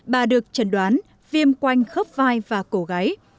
bà được trần đoán viêm quanh khớp vai và cổ gáy